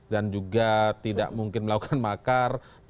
dan juga tidak mungkin melakukan makar